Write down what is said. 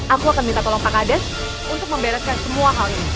aku akan minta tolong pak kades untuk membereskan semua hal ini